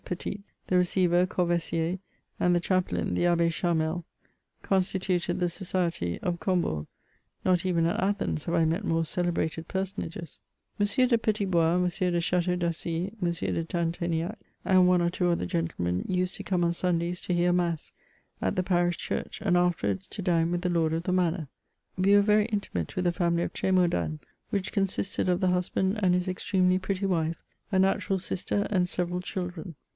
Petit, the receiver Corvaisier, and the chaplain, the Abbe Channel, constituted the society of Combourg. Not even at Athens have I met more cele brated personages ! M. de Petit Bois, M. de Chiteau d'Assie, M. de Tinteniac, and one or two other gentlemen used to come on Sundays to hear mass, at the Parish Church, and afterwards to dine with the Lord of the Manor. We were very intimate with the family of Tr^maudan, which consisted of the husband and his extremely pretty wife, a natural sister and several children.